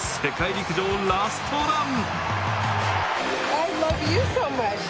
陸上ラストラン